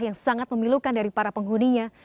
yang sangat memilukan dari para penghuninya